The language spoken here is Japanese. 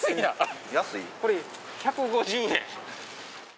これ１５０円！？